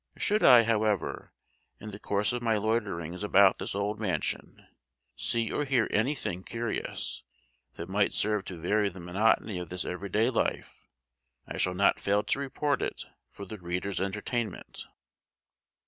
Should I, however, in the course of my loiterings about this old mansion, see or hear anything curious, that might serve to vary the monotony of this every day life, I shall not fail to report it for the reader's entertainment.